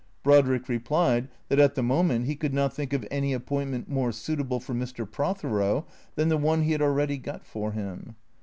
Brodrick replied, that, at the moment, he could not think of any appointment more suit able for Mr. Prothero than the one he had already got for him.